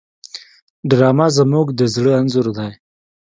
ډرامه زموږ د زړه انځور دی